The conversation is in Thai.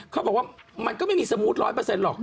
เขาบอกว่ามันก็ไม่มีสมูท๑๐๐หรอก